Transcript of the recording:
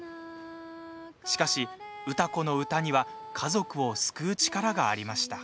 しかし歌子の歌には家族を救う力がありました。